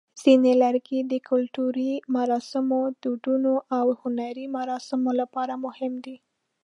ځینې لرګي د کلتوري مراسمو، دودونو، او هنري مراسمو لپاره مهم دي.